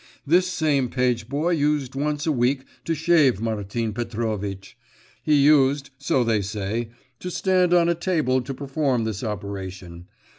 This same page boy used once a week to shave Martin Petrovitch. He used, so they said, to stand on a table to perform this operation.